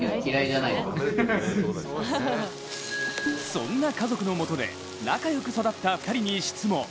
そんな家族のもとで、仲良く育った２人に質問。